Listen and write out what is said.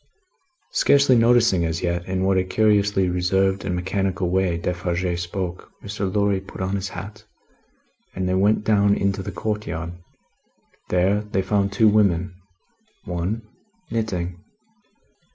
Scarcely noticing as yet, in what a curiously reserved and mechanical way Defarge spoke, Mr. Lorry put on his hat and they went down into the courtyard. There, they found two women; one, knitting.